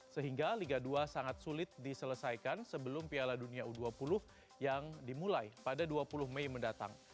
sehingga liga dua sangat sulit diselesaikan sebelum piala dunia u dua puluh yang dimulai pada dua puluh mei mendatang